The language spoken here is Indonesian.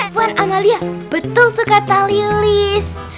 evan amalia betul tuh kata lilis